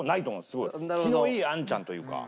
すごい気のいいあんちゃんというか。